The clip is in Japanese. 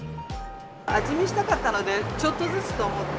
味見したかったので、ちょっとずつと思って。